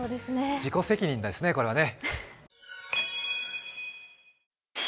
自己責任ですね、これはね。